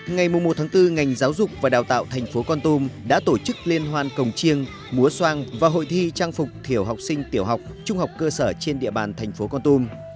ngày một bốn ngành giáo dục và đào tạo thành phố con tum đã tổ chức liên hoan cổng chiêng múa soang và hội thi trang phục thiểu học sinh tiểu học trung học cơ sở trên địa bàn thành phố con tum